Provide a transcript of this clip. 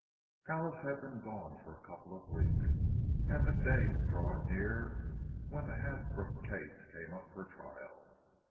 Alice had been gone for a couple of weeks, and the day was drawing near when the Hasbrook case came up for trial.